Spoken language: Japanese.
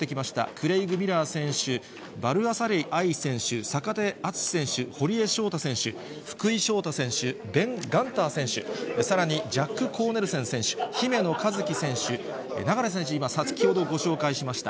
クレイグ・ミラー選手、ヴァルアサエリ愛選手、坂手淳史選手、堀江翔太選手、福田健太選手、ベン・ガンター選手、さらに、ジャック・コーネルセン選手、姫野和樹選手、流選手、今、先ほどご紹介しました。